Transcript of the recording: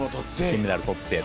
金メダル取って。